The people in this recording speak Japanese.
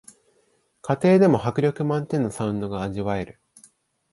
家庭でも迫力満点のサウンドが味わえる